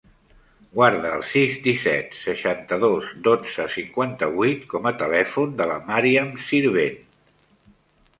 Guarda el sis, disset, seixanta-dos, dotze, cinquanta-vuit com a telèfon de la Màriam Sirvent.